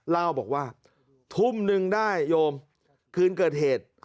เล่าบอกว่าทุ่มนึงได้โยมคืนเกิดเหตุ